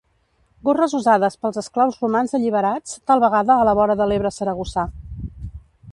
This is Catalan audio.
Gorres usades pels esclaus romans alliberats, tal vegada a la vora de l'Ebre saragossà.